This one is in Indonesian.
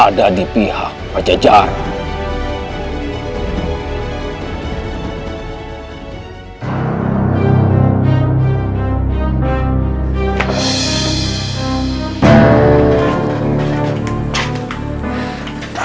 ada di pihak panjajara